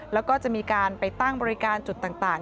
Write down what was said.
แล้วก็จะมีการไปตั้งบริการจุดต่าง